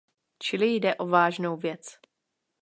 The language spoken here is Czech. Čili jde o vážnou věc.